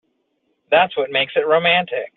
That's what makes it romantic.